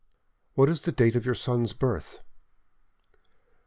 "What is the date of your son's birth?"